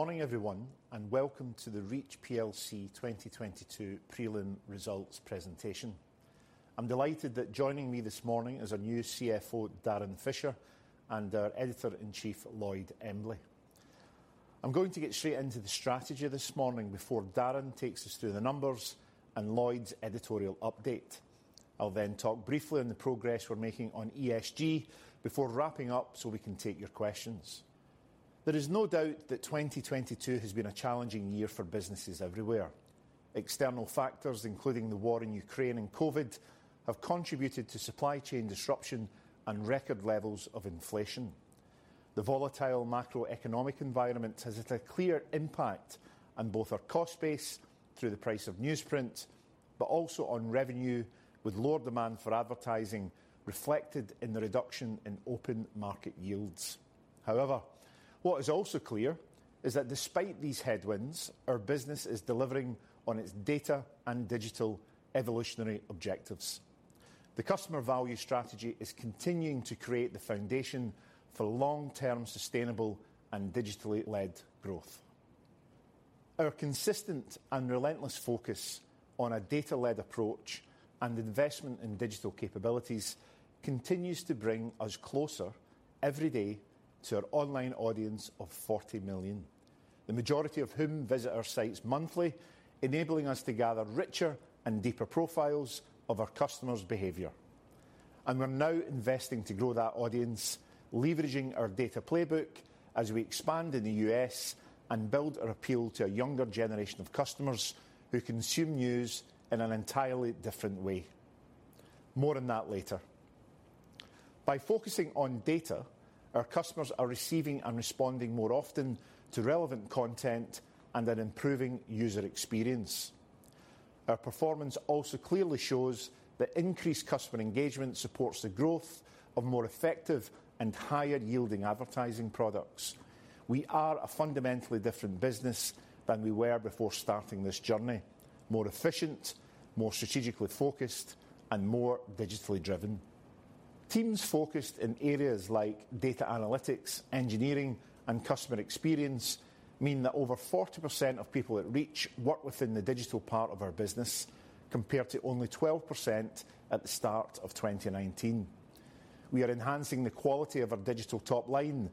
Morning everyone, welcome to the Reach PLC 2022 prelim results presentation. I'm delighted that joining me this morning is our new CFO, Darren Fisher, and our Editor-in-Chief, Lloyd Embley. I'm going to get straight into the strategy this morning before Darren takes us through the numbers and Lloyd's editorial update. I'll talk briefly on the progress we're making on ESG before wrapping up so we can take your questions. There is no doubt that 2022 has been a challenging year for businesses everywhere. External factors, including the war in Ukraine and COVID, have contributed to supply chain disruption and record levels of inflation. The volatile macroeconomic environment has had a clear impact on both our cost base through the price of newsprint, but also on revenue, with lower demand for advertising reflected in the reduction in open market yields. However, what is also clear is that despite these headwinds, our business is delivering on its data and digital evolutionary objectives. The Customer Value Strategy is continuing to create the foundation for long-term sustainable and digitally-led growth. Our consistent and relentless focus on a data-led approach and investment in digital capabilities continues to bring us closer every day to our online audience of 40 million, the majority of whom visit our sites monthly, enabling us to gather richer and deeper profiles of our customers' behavior. We're now investing to grow that audience, leveraging our data playbook as we expand in the U.S. and build our appeal to a younger generation of customers who consume news in an entirely different way. More on that later. By focusing on data, our customers are receiving and responding more often to relevant content and an improving user experience. Our performance also clearly shows that increased customer engagement supports the growth of more effective and higher yielding advertising products. We are a fundamentally different business than we were before starting this journey, more efficient, more strategically focused, and more digitally driven. Teams focused in areas like data analytics, engineering, and customer experience mean that over 40% of people at Reach work within the digital part of our business, compared to only 12% at the start of 2019. We are enhancing the quality of our digital top line.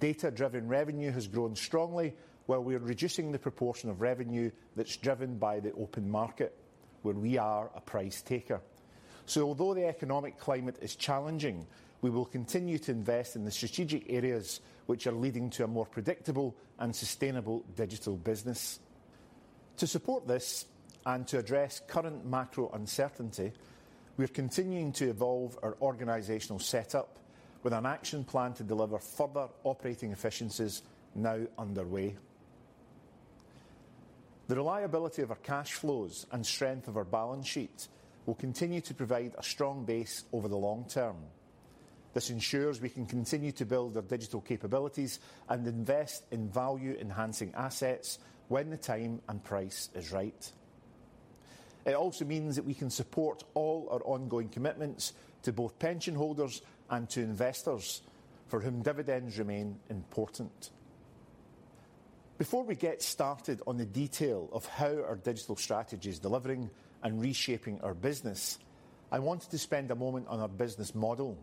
Data-driven revenue has grown strongly, while we are reducing the proportion of revenue that's driven by the open market, where we are a price taker. Although the economic climate is challenging, we will continue to invest in the strategic areas which are leading to a more predictable and sustainable digital business. To support this and to address current macro uncertainty, we're continuing to evolve our organizational setup with an action plan to deliver further operating efficiencies now underway. The reliability of our cash flows and strength of our balance sheet will continue to provide a strong base over the long term. This ensures we can continue to build our digital capabilities and invest in value-enhancing assets when the time and price is right. It also means that we can support all our ongoing commitments to both pension holders and to investors, for whom dividends remain important. Before we get started on the detail of how our digital strategy is delivering and reshaping our business, I wanted to spend a moment on our business model,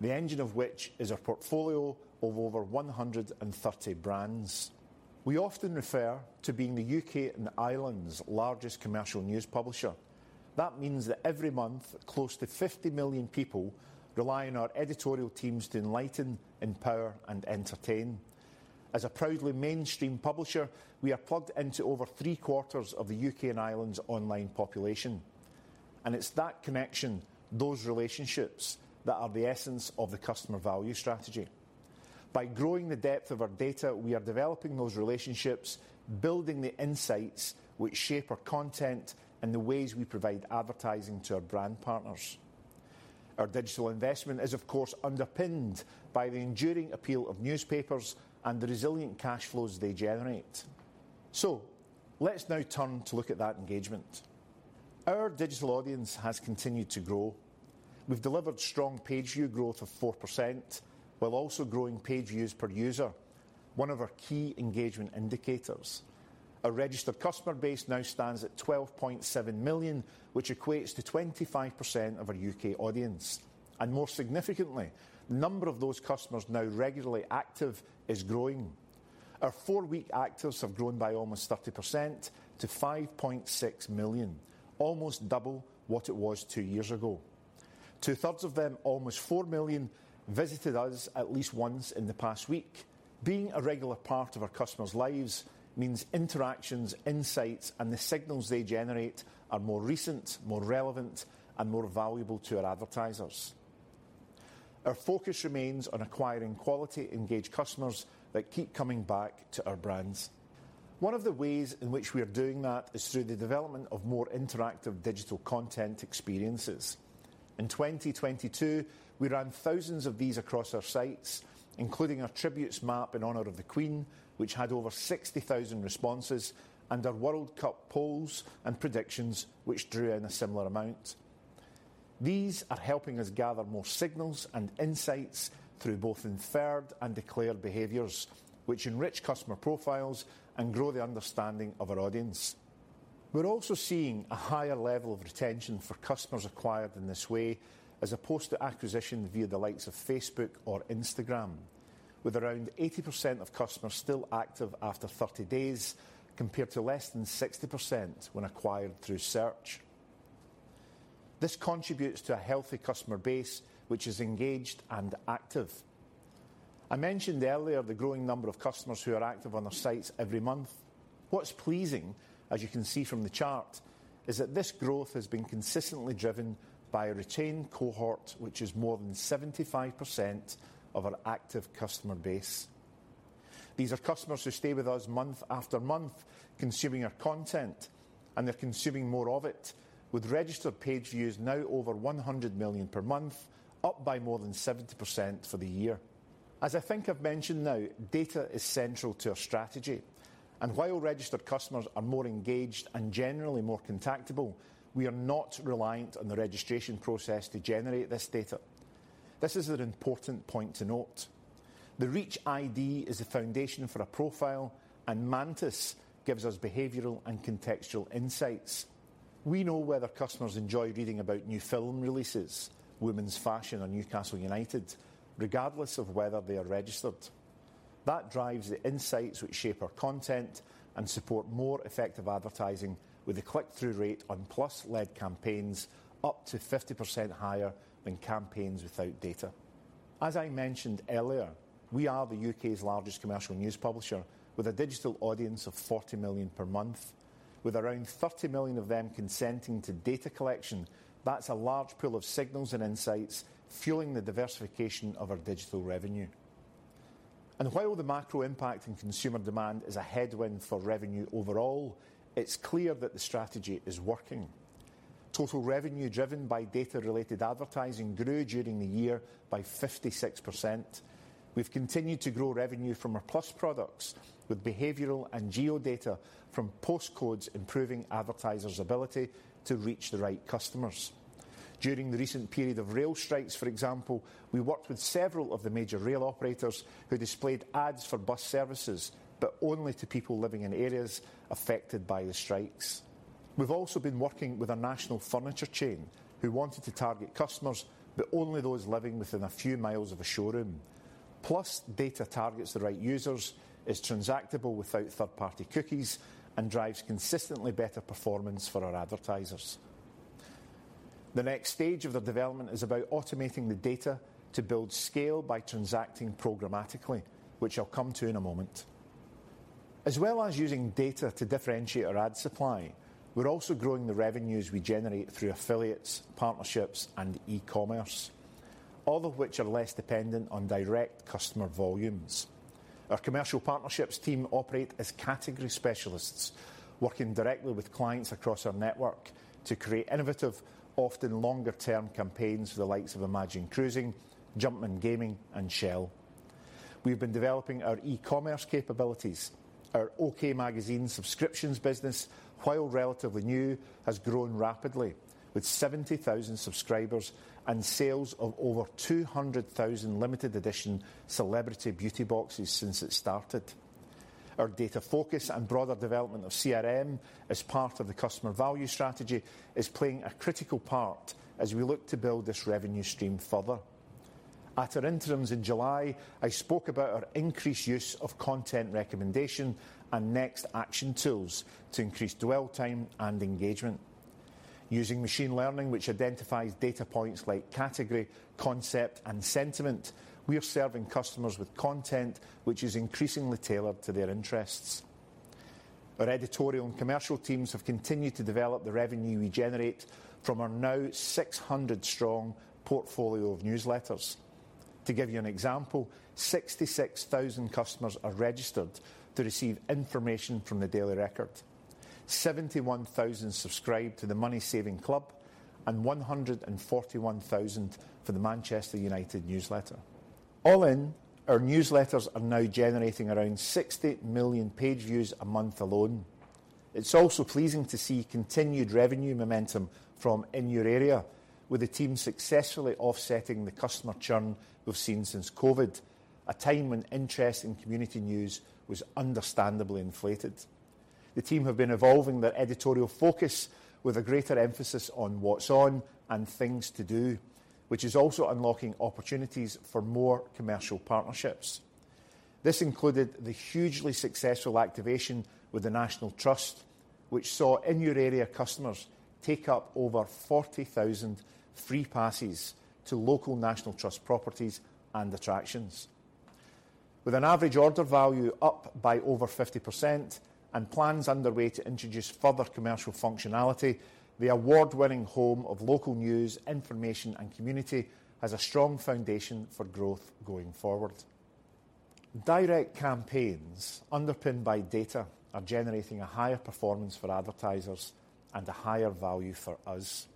the engine of which is our portfolio of over 130 brands. We often refer to being the U.K. and Ireland's largest commercial news publisher. That means that every month, close to 50 million people rely on our editorial teams to enlighten, empower, and entertain. As a proudly mainstream publisher, we are plugged into over 3/4 of the U.K. and Ireland's online population, and it's that connection, those relationships, that are the essence of the Customer Value Strategy. By growing the depth of our data, we are developing those relationships, building the insights which shape our content and the ways we provide advertising to our brand partners. Our digital investment is, of course, underpinned by the enduring appeal of newspapers and the resilient cash flows they generate. Let's now turn to look at that engagement. Our digital audience has continued to grow. We've delivered strong page view growth of 4% while also growing page views per user, one of our key engagement indicators. Our registered customer base now stands at 12.7 million, which equates to 25% of our U.K. audience. More significantly, the number of those customers now regularly active is growing. Our four-week actives have grown by almost 30% to 5.6 million, almost double what it was two years ago. Two-thirds of them, almost 4 million, visited us at least once in the past week. Being a regular part of our customers' lives means interactions, insights, and the signals they generate are more recent, more relevant, and more valuable to our advertisers. Our focus remains on acquiring quality, engaged customers that keep coming back to our brands. One of the ways in which we are doing that is through the development of more interactive digital content experiences. In 2022, we ran thousands of these across our sites, including our tributes map in honor of the Queen, which had over 60,000 responses, and our World Cup polls and predictions, which drew in a similar amount. These are helping us gather more signals and insights through both inferred and declared behaviors, which enrich customer profiles and grow the understanding of our audience. We're also seeing a higher level of retention for customers acquired in this way as opposed to acquisition via the likes of Facebook or Instagram, with around 80% of customers still active after 30 days, compared to less than 60% when acquired through search. This contributes to a healthy customer base, which is engaged and active. I mentioned earlier the growing number of customers who are active on our sites every month. What's pleasing, as you can see from the chart, is that this growth has been consistently driven by a retained cohort, which is more than 75% of our active customer base. These are customers who stay with us month after month, consuming our content, and they're consuming more of it. With registered page views now over 100 million per month, up by more than 70% for the year. As I think I've mentioned now, data is central to our strategy, while registered customers are more engaged and generally more contactable, we are not reliant on the registration process to generate this data. This is an important point to note. The Reach ID is the foundation for a profile, and Mantis gives us behavioral and contextual insights. We know whether customers enjoy reading about new film releases, women's fashion, or Newcastle United, regardless of whether they are registered. That drives the insights which shape our content and support more effective advertising with a click-through rate on PLUS-led campaigns up to 50% higher than campaigns without data. As I mentioned earlier, we are the U.K.'s largest commercial news publisher with a digital audience of 40 million per month. With around 30 million of them consenting to data collection, that's a large pool of signals and insights fueling the diversification of our digital revenue. While the macro impact in consumer demand is a headwind for revenue overall, it's clear that the strategy is working. Total revenue driven by data-related advertising grew during the year by 56%. We've continued to grow revenue from our PLUS products with behavioral and geo-data from post codes improving advertisers' ability to reach the right customers. During the recent period of rail strikes, for example, we worked with several of the major rail operators who displayed ads for bus services, but only to people living in areas affected by the strikes. We've also been working with a national furniture chain who wanted to target customers, but only those living within a few miles of a showroom. PLUS data targets the right users, is transactable without third-party cookies, and drives consistently better performance for our advertisers. The next stage of the development is about automating the data to build scale by transacting programmatically, which I'll come to in a moment. Using data to differentiate our ad supply, we're also growing the revenues we generate through affiliates, partnerships, and eCommerce, all of which are less dependent on direct customer volumes. Our commercial partnerships team operate as category specialists, working directly with clients across our network to create innovative, often longer-term campaigns for the likes of Imagine Cruising, Jumpman Gaming, and Shell. We've been developing our eCommerce capabilities. Our OK! subscriptions business, while relatively new, has grown rapidly with 70,000 subscribers and sales of over 200,000 limited edition celebrity beauty boxes since it started. Our data focus and broader development of CRM as part of the Customer Value Strategy is playing a critical part as we look to build this revenue stream further. At our interims in July, I spoke about our increased use of content recommendation and next action tools to increase dwell time and engagement. Using machine learning, which identifies data points like category, concept, and sentiment, we are serving customers with content which is increasingly tailored to their interests. Our editorial and commercial teams have continued to develop the revenue we generate from our now 600-strong portfolio of newsletters. To give you an example, 66,000 customers are registered to receive information from the Daily Record. 71,000 subscribe to The Money Saving Club and 141,000 for the Manchester United newsletter. All in, our newsletters are now generating around 60 million page views a month alone. It's also pleasing to see continued revenue momentum from InYourArea, with the team successfully offsetting the customer churn we've seen since COVID, a time when interest in community news was understandably inflated. The team have been evolving their editorial focus with a greater emphasis on what's on and things to do, which is also unlocking opportunities for more commercial partnerships. This included the hugely successful activation with the National Trust, which saw InYourArea customers take up over 40,000 free passes to local National Trust properties and attractions. With an average order value up by over 50% and plans underway to introduce further commercial functionality, the award-winning home of local news, information, and community has a strong foundation for growth going forward. Direct campaigns underpinned by data are generating a higher performance for advertisers and a higher value for us.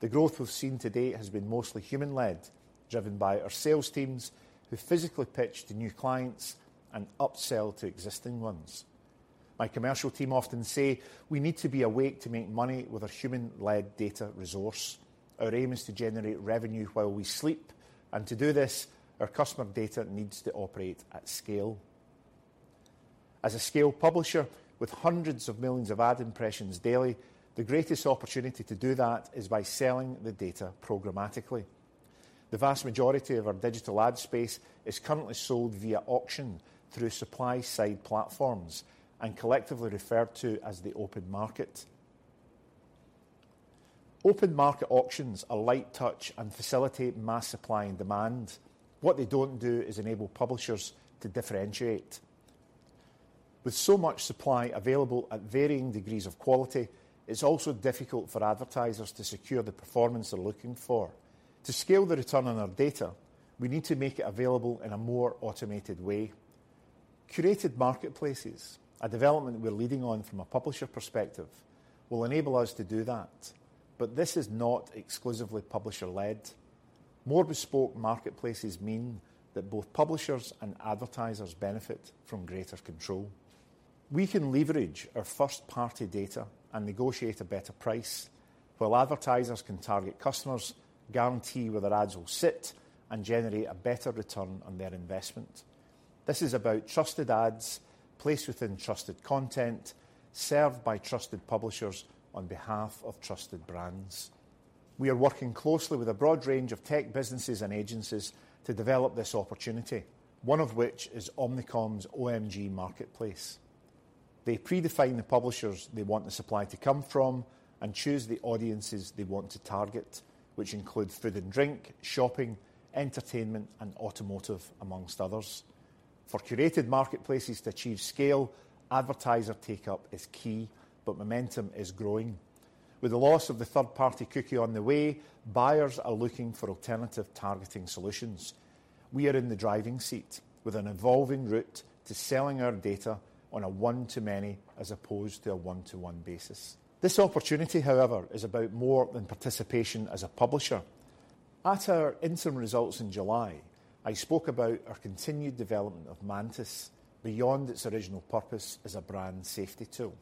The growth we've seen to date has been mostly human-led, driven by our sales teams who physically pitch to new clients and upsell to existing ones. My commercial team often say we need to be awake to make money with our human-led data resource. Our aim is to generate revenue while we sleep, and to do this, our customer data needs to operate at scale. As a scale publisher with hundreds of millions of ad impressions daily, the greatest opportunity to do that is by selling the data programmatically. The vast majority of our digital ad space is currently sold via auction through supply-side platforms, and collectively referred to as the open market. Open market auctions are light touch and facilitate mass supply and demand. What they don't do is enable publishers to differentiate. With so much supply available at varying degrees of quality, it's also difficult for advertisers to secure the performance they're looking for. To scale the return on our data, we need to make it available in a more automated way. Curated marketplaces, a development we're leading on from a publisher perspective, will enable us to do that, but this is not exclusively publisher-led. More bespoke marketplaces mean that both publishers and advertisers benefit from greater control. We can leverage our first-party data and negotiate a better price, while advertisers can target customers, guarantee where their ads will sit, and generate a better return on their investment. This is about trusted ads placed within trusted content, served by trusted publishers on behalf of trusted brands. We are working closely with a broad range of tech businesses and agencies to develop this opportunity, one of which is Omnicom's OMG Marketplace. They predefine the publishers they want the supply to come from and choose the audiences they want to target, which include food and drink, shopping, entertainment, and automotive, amongst others. For curated marketplaces to achieve scale, advertiser take-up is key. Momentum is growing. With the loss of the third-party cookie on the way, buyers are looking for alternative targeting solutions. We are in the driving seat with an evolving route to selling our data on a one-to-many as opposed to a one-to-one basis. This opportunity, however, is about more than participation as a publisher. At our interim results in July, I spoke about our continued development of Mantis beyond its original purpose as a brand safety tool.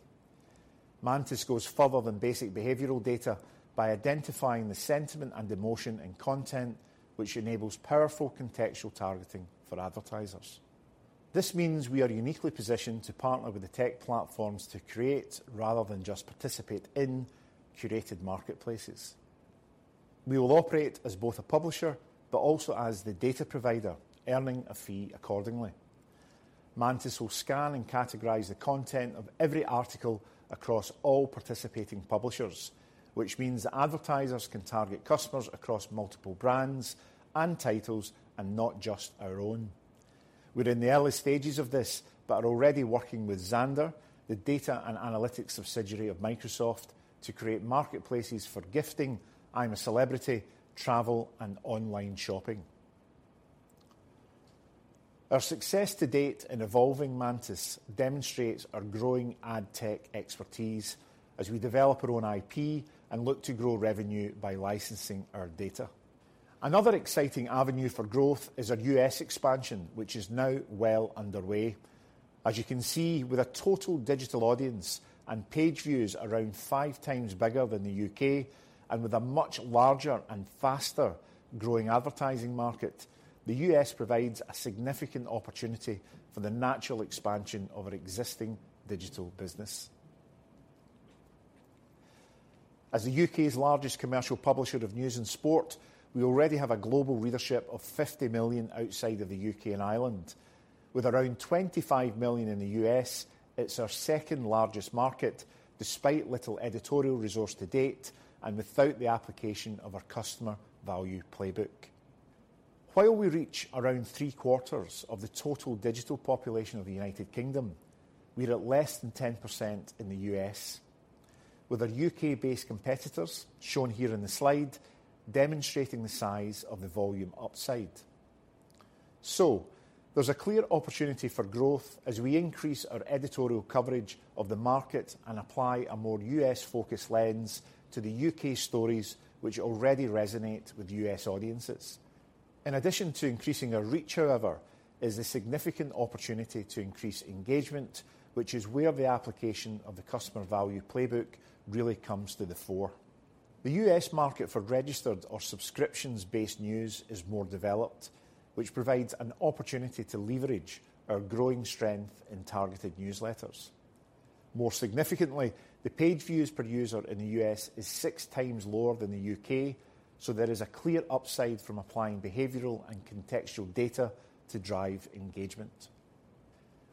Mantis goes further than basic behavioral data by identifying the sentiment and emotion in content, which enables powerful contextual targeting for advertisers. This means we are uniquely positioned to partner with the tech platforms to create rather than just participate in curated marketplaces. We will operate as both a publisher but also as the data provider, earning a fee accordingly. Mantis will scan and categorize the content of every article across all participating publishers, which means that advertisers can target customers across multiple brands and titles, and not just our own. We're in the early stages of this, but are already working with Xandr, the data and analytics subsidiary of Microsoft, to create marketplaces for gifting, I'm a celebrity, travel, and online shopping. Our success to date in evolving Mantis demonstrates our growing ad tech expertise as we develop our own IP and look to grow revenue by licensing our data. Another exciting avenue for growth is our U.S. expansion, which is now well underway. As you can see, with a total digital audience and page views around five times bigger than the U.K., and with a much larger and faster-growing advertising market, the U.S. provides a significant opportunity for the natural expansion of our existing digital business. As the U.K.'s largest commercial publisher of news and sport, we already have a global readership of 50 million outside of the U.K. and Ireland. With around 25 million in the U.S., it's our second-largest market, despite little editorial resource to date and without the application of our Customer Value playbook. While we reach around 3/4 of the total digital population of the United Kingdom, we're at less than 10% in the U.S. With our U.K.-based competitors, shown here in the slide, demonstrating the size of the volume upside. There's a clear opportunity for growth as we increase our editorial coverage of the market and apply a more U.S.-focused lens to the U.K. stories which already resonate with U.S. audiences. In addition to increasing our reach, however, is the significant opportunity to increase engagement, which is where the application of the Customer Value playbook really comes to the fore. The U.S. market for registered or subscriptions-based news is more developed, which provides an opportunity to leverage our growing strength in targeted newsletters. More significantly, the page views per user in the U.S. is 6x lower than the U.K., so there is a clear upside from applying behavioral and contextual data to drive engagement.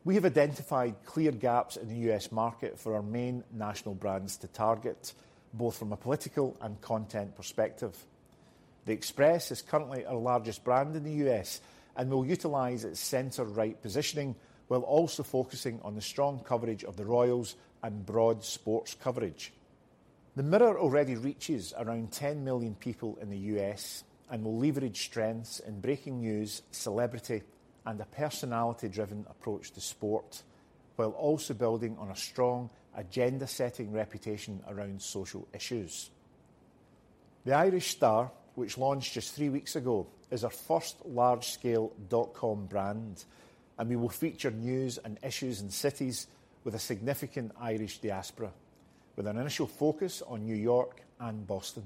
We have identified clear gaps in the U.S. market for our main national brands to target, both from a political and content perspective. The Express is currently our largest brand in the U.S. and will utilize its center-right positioning while also focusing on the strong coverage of the Royals and broad sports coverage. The Mirror already reaches around 10 million people in the U.S. and will leverage strengths in breaking news, celebrity, and a personality-driven approach to sport, while also building on a strong agenda-setting reputation around social issues. The Irish Star, which launched just three weeks ago, is our first large-scale dotcom brand. We will feature news and issues in cities with a significant Irish diaspora, with an initial focus on New York and Boston.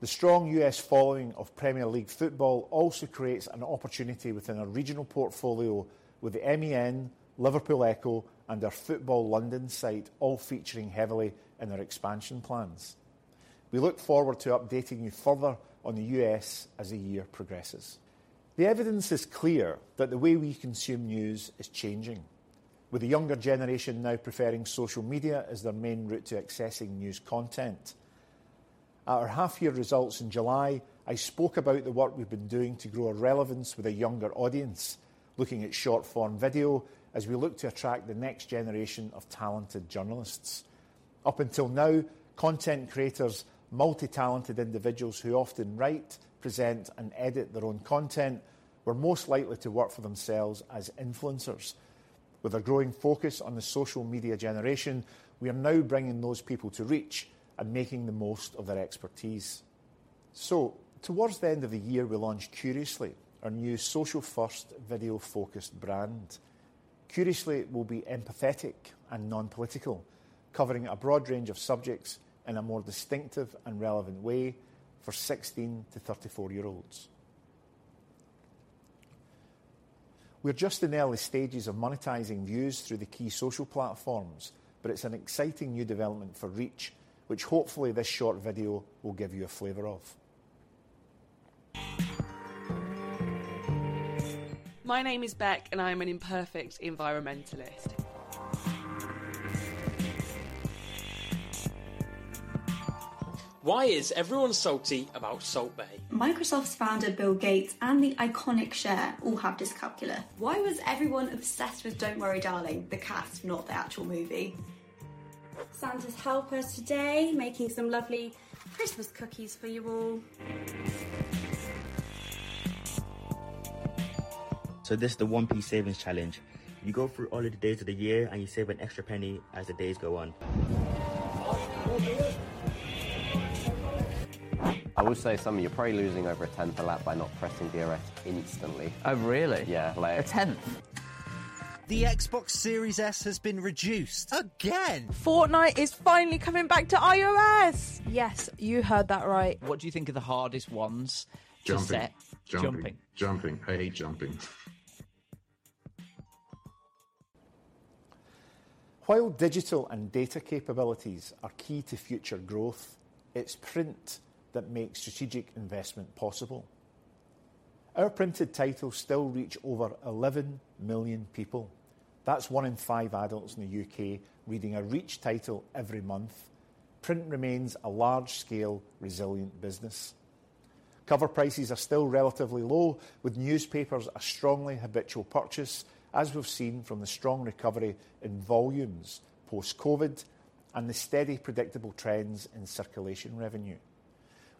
The strong U.S. following of Premier League football also creates an opportunity within our regional portfolio with the MEN, Liverpool Echo, and our Football.London site all featuring heavily in their expansion plans. We look forward to updating you further on the U.S. as the year progresses. The evidence is clear that the way we consume news is changing, with the younger generation now preferring social media as their main route to accessing news content. At our half-year results in July, I spoke about the work we've been doing to grow our relevance with a younger audience, looking at short-form video as we look to attract the next generation of talented journalists. Up until now, content creators, multi-talented individuals who often write, present, and edit their own content, were most likely to work for themselves as influencers. With a growing focus on the social media generation, we are now bringing those people to Reach and making the most of their expertise. Towards the end of the year, we launched Curiously, our new social-first video-focused brand. Curiously will be empathetic and non-political, covering a broad range of subjects in a more distinctive and relevant way for 16-34-year-olds. We're just in the early stages of monetizing views through the key social platforms, but it's an exciting new development for Reach, which hopefully this short video will give you a flavor of. My name is Bec, and I'm an imperfect environmentalist. Why is everyone salty about Salt Bae? Microsoft's founder, Bill Gates, and the iconic Cher all have dyscalculia. Why was everyone obsessed with Don't Worry Darling, the cast, not the actual movie? Santa's helper today, making some lovely Christmas cookies for you all. This is the one-piece savings challenge. You go through all of the days of the year, and you save an extra penny as the days go on. I would say, Simon, you're probably losing over a tenth a lap by not pressing DRS instantly. Oh, really? Yeah. A tenth? The Xbox Series S has been reduced again. Fortnite is finally coming back to iOS. Yes, you heard that right. What do you think are the hardest ones to set? Jumping. Jumping. Jumping. I hate jumping. While digital and data capabilities are key to future growth, it's print that makes strategic investment possible. Our printed titles still reach over 11 million people. That's one in five adults in the U.K. reading a Reach title every month. Print remains a large-scale, resilient business. Cover prices are still relatively low, with newspapers a strongly habitual purchase, as we've seen from the strong recovery in volumes post-COVID and the steady, predictable trends in circulation revenue.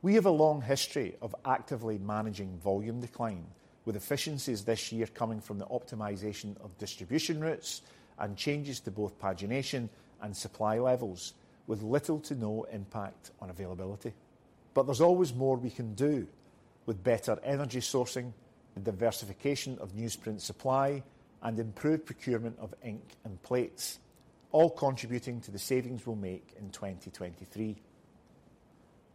We have a long history of actively managing volume decline, with efficiencies this year coming from the optimization of distribution routes and changes to both pagination and supply levels with little to no impact on availability. There's always more we can do with better energy sourcing, the diversification of newsprint supply, and improved procurement of ink and plates, all contributing to the savings we'll make in 2023.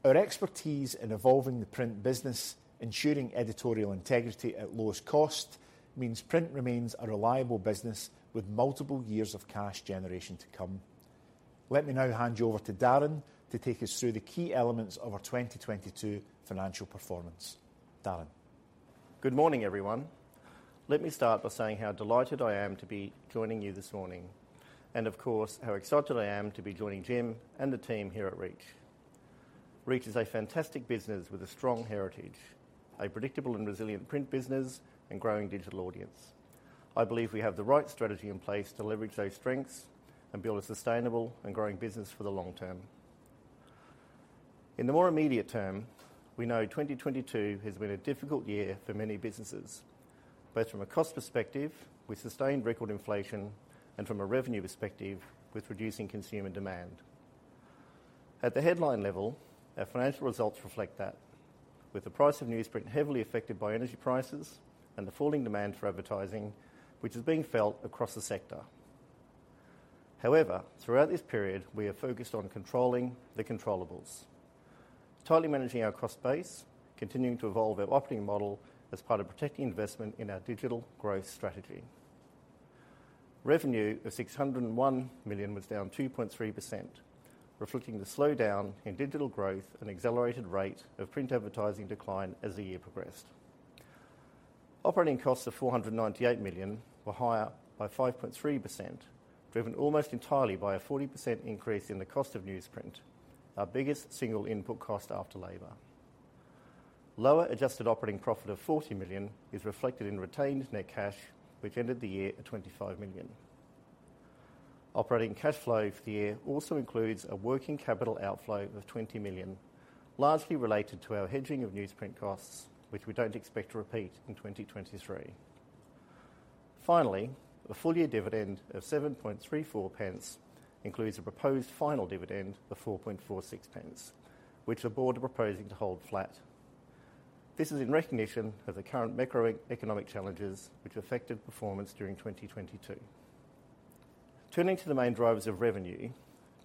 Our expertise in evolving the print business, ensuring editorial integrity at lowest cost, means print remains a reliable business with multiple years of cash generation to come. Let me now hand you over to Darren to take us through the key elements of our 2022 financial performance. Darren. Good morning, everyone. Let me start by saying how delighted I am to be joining you this morning and, of course, how excited I am to be joining Jim and the team here at Reach. Reach is a fantastic business with a strong heritage, a predictable and resilient print business, and growing digital audience. I believe we have the right strategy in place to leverage those strengths and build a sustainable and growing business for the long term. In the more immediate term, we know 2022 has been a difficult year for many businesses, both from a cost perspective, with sustained record inflation, and from a revenue perspective, with reducing consumer demand. At the headline level, our financial results reflect that. With the price of newsprint heavily affected by energy prices and the falling demand for advertising, which is being felt across the sector. Throughout this period, we have focused on controlling the controllables. Totally managing our cost base, continuing to evolve our operating model as part of protecting investment in our digital growth strategy. Revenue of 601 million was down 2.3%, reflecting the slowdown in digital growth and accelerated rate of print advertising decline as the year progressed. Operating costs of 498 million were higher by 5.3%, driven almost entirely by a 40% increase in the cost of newsprint, our biggest single input cost after labor. Lower adjusted operating profit of 40 million is reflected in retained net cash, which ended the year at 25 million. Operating cash flow for the year also includes a working capital outflow of 20 million, largely related to our hedging of newsprint costs, which we don't expect to repeat in 2023. Finally, the full year dividend of 0.0734 includes a proposed final dividend of 0.0446, which the Board are proposing to hold flat. This is in recognition of the current macroeconomic challenges which affected performance during 2022. Turning to the main drivers of revenue,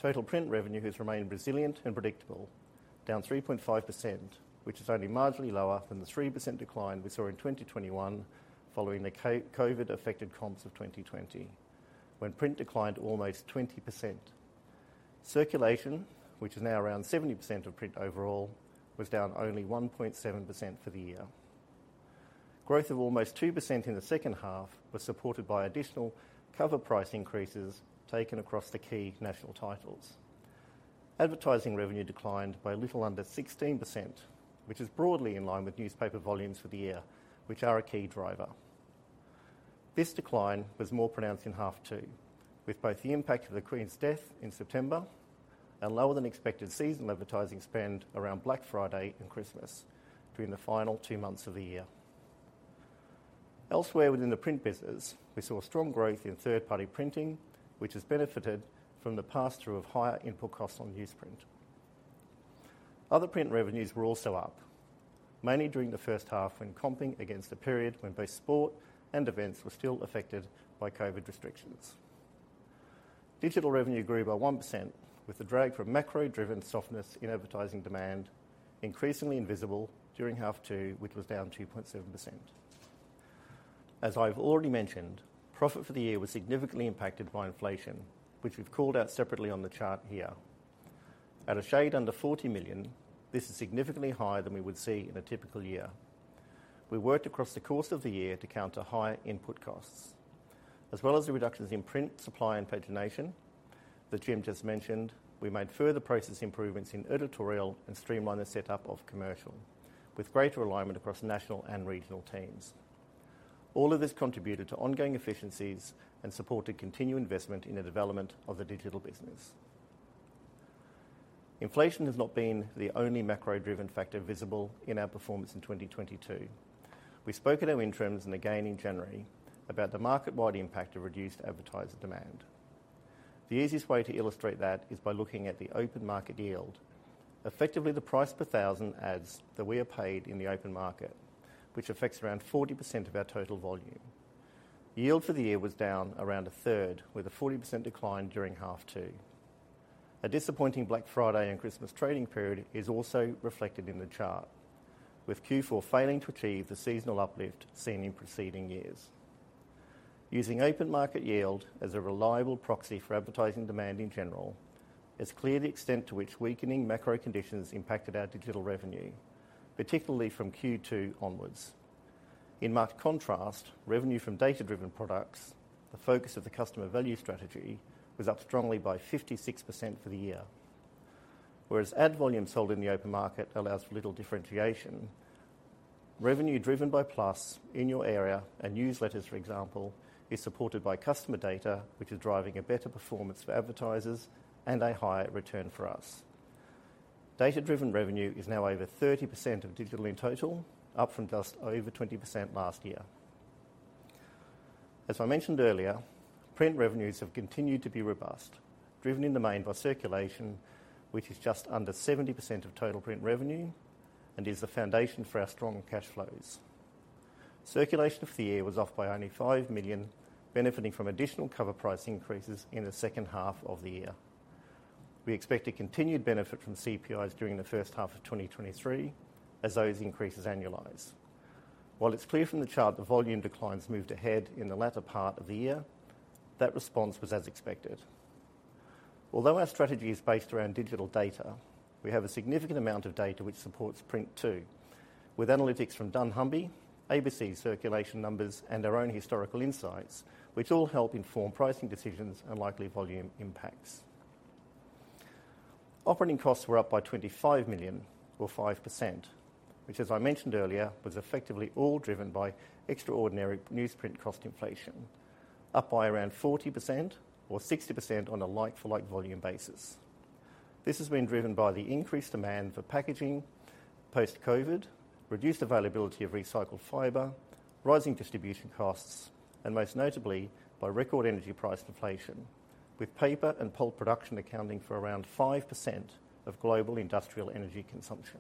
total print revenue has remained resilient and predictable, down 3.5%, which is only marginally lower than the 3% decline we saw in 2021 following the COVID affected comps of 2020, when print declined almost 20%. Circulation, which is now around 70% of print overall, was down only 1.7% for the year. Growth of almost 2% in the second half was supported by additional cover price increases taken across the key national titles. Advertising revenue declined by a little under 16%, which is broadly in line with newspaper volumes for the year, which are a key driver. This decline was more pronounced in half two, with both the impact of the Queen's death in September and lower than expected season advertising spend around Black Friday and Christmas during the final two months of the year. Elsewhere within the print business, we saw strong growth in third-party printing, which has benefited from the pass-through of higher input costs on newsprint. Other print revenues were also up, mainly during the first half when comping against a period when both sport and events were still affected by COVID restrictions. Digital revenue grew by 1% with the drag from macro-driven softness in advertising demand increasingly invisible during half two, which was down 2.7%. As I've already mentioned, profit for the year was significantly impacted by inflation, which we've called out separately on the chart here. At a shade under 40 million, this is significantly higher than we would see in a typical year. We worked across the course of the year to counter higher input costs, as well as the reductions in print supply and pagination that Jim just mentioned, we made further process improvements in editorial and streamlined the setup of commercial with greater alignment across national and regional teams. All of this contributed to ongoing efficiencies and supported continued investment in the development of the digital business. Inflation has not been the only macro-driven factor visible in our performance in 2022. We spoke at our interims and again in January about the market-wide impact of reduced advertiser demand. The easiest way to illustrate that is by looking at the open market yield. Effectively, the price per thousand ads that we are paid in the open market, which affects around 40% of our total volume. Yield for the year was down around a third with a 40% decline during half two. A disappointing Black Friday and Christmas trading period is also reflected in the chart, with Q4 failing to achieve the seasonal uplift seen in preceding years. Using open market yield as a reliable proxy for advertising demand in general, it's clear the extent to which weakening macro conditions impacted our digital revenue, particularly from Q2 onwards. In marked contrast, revenue from data-driven products, the focus of the Customer Value Strategy, was up strongly by 56% for the year. Ad volume sold in the open market allows for little differentiation, revenue driven by PLUS, InYourArea, and newsletters, for example, is supported by customer data, which is driving a better performance for advertisers and a higher return for us. Data-driven revenue is now over 30% of digital in total, up from just over 20% last year. As I mentioned earlier, print revenues have continued to be robust, driven in the main by circulation, which is just under 70% of total print revenue and is the foundation for our strong cash flows. Circulation for the year was off by only 5 million, benefiting from additional cover price increases in the second half of the year. We expect a continued benefit from CPIs during the first half of 2023 as those increases annualize. While it's clear from the chart the volume declines moved ahead in the latter part of the year, that response was as expected. Although our strategy is based around digital data, we have a significant amount of data which supports print too, with analytics from dunnhumby, ABC circulation numbers, and our own historical insights, which all help inform pricing decisions and likely volume impacts. Operating costs were up by 25 million or 5%, which, as I mentioned earlier, was effectively all driven by extraordinary newsprint cost inflation, up by around 40% or 60% on a like-for-like volume basis. This has been driven by the increased demand for packaging post-COVID, reduced availability of recycled fiber, rising distribution costs, and most notably by record energy price inflation, with paper and pulp production accounting for around 5% of global industrial energy consumption.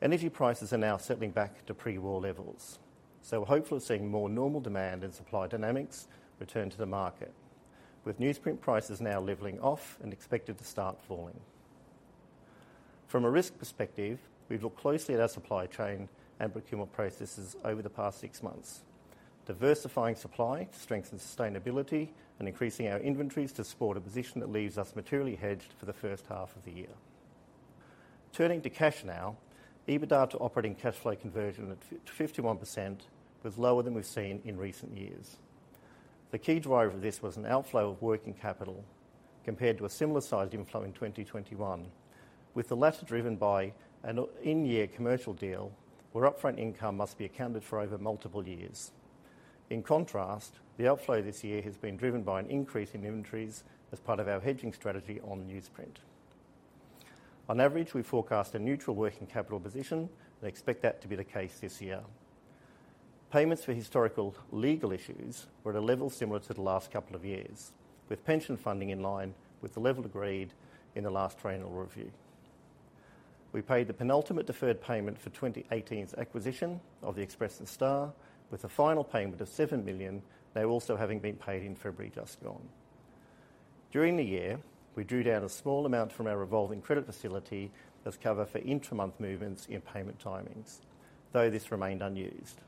Energy prices are now settling back to pre-war levels, so we're hopeful of seeing more normal demand and supply dynamics return to the market, with newsprint prices now leveling off and expected to start falling. From a risk perspective, we've looked closely at our supply chain and procurement processes over the past six months, diversifying supply to strengthen sustainability and increasing our inventories to support a position that leaves us materially hedged for the first half of the year. Turning to cash now, EBITDA to operating cash flow conversion at 51% was lower than we've seen in recent years. The key driver of this was an outflow of working capital compared to a similar sized inflow in 2021, with the latter driven by an in-year commercial deal where upfront income must be accounted for over multiple years. In contrast, the outflow this year has been driven by an increase in inventories as part of our hedging strategy on newsprint. On average, we forecast a neutral working capital position and expect that to be the case this year. Payments for historical legal issues were at a level similar to the last couple of years, with pension funding in line with the level agreed in the last triennial review. We paid the penultimate deferred payment for 2018's acquisition of the Express and Star, with the final payment of 7 million now also having been paid in February just gone. During the year, we drew down a small amount from our revolving credit facility as cover for intra-month movements in payment timings, though this remained unused.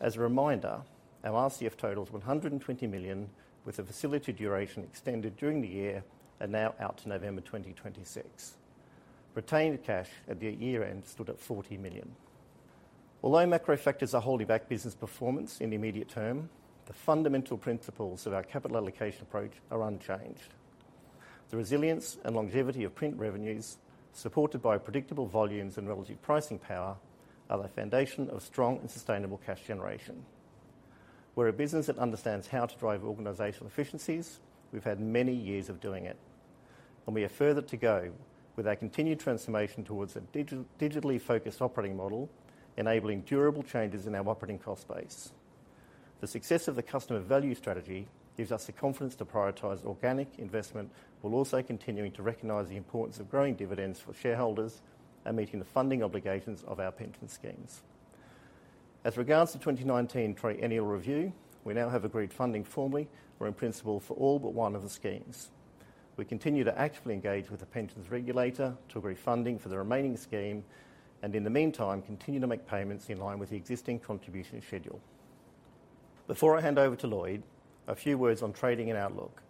As a reminder, our RCF total is 120 million, with the facility duration extended during the year and now out to November 2026. Retained cash at the year-end stood at 40 million. Macro factors are holding back business performance in the immediate term, the fundamental principles of our capital allocation approach are unchanged. The resilience and longevity of print revenues, supported by predictable volumes and relative pricing power, are the foundation of strong and sustainable cash generation. We're a business that understands how to drive organizational efficiencies. We've had many years of doing it, we have further to go with our continued transformation towards a digitally focused operating model, enabling durable changes in our operating cost base. The success of the Customer Value Strategy gives us the confidence to prioritize organic investment, while also continuing to recognize the importance of growing dividends for shareholders and meeting the funding obligations of our pension schemes. Regards to 2019 triennial review, we now have agreed funding formally or in principle for all but one of the schemes. We continue to actively engage with the pensions regulator to agree funding for the remaining scheme and, in the meantime, continue to make payments in line with the existing contribution schedule. Before I hand over to Lloyd, a few words on trading and outlook.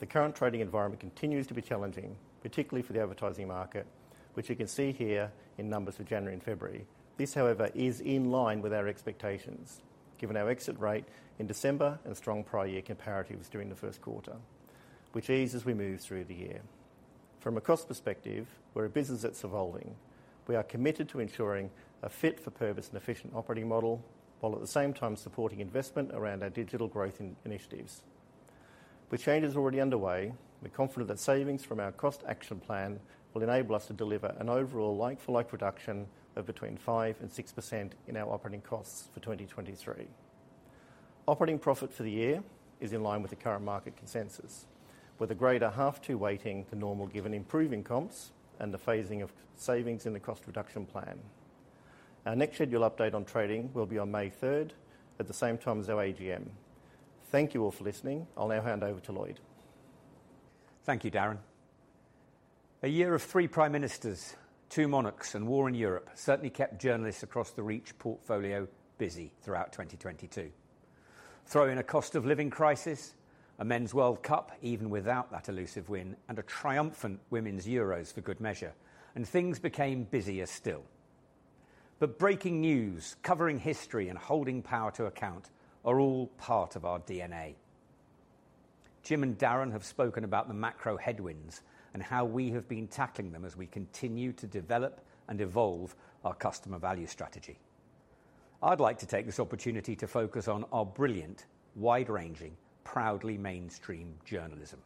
The current trading environment continues to be challenging, particularly for the advertising market, which you can see here in numbers for January and February. This, however, is in line with our expectations, given our exit rate in December and strong prior year comparatives during the first quarter, which eases as we move through the year. From a cost perspective, we're a business that's evolving. We are committed to ensuring a fit for purpose and efficient operating model, while at the same time supporting investment around our digital growth initiatives. With changes already underway, we're confident that savings from our cost action plan will enable us to deliver an overall like-for-like reduction of between 5% and 6% in our operating costs for 2023. Operating profit for the year is in line with the current market consensus, with a greater half two weighting to normal given improving comps and the phasing of savings in the cost reduction plan. Our next scheduled update on trading will be on May third at the same time as our AGM. Thank you all for listening. I'll now hand over to Lloyd. Thank you, Darren. A year of three prime ministers, two monarchs, and war in Europe certainly kept journalists across the Reach portfolio busy throughout 2022. Throw in a cost of living crisis, a Men's World Cup, even without that elusive win, and a triumphant Women's Euros for good measure, and things became busier still. Breaking news, covering history, and holding power to account are all part of our DNA. Jim and Darren have spoken about the macro headwinds and how we have been tackling them as we continue to develop and evolve our Customer Value Strategy. I'd like to take this opportunity to focus on our brilliant, wide-ranging, proudly mainstream journalism.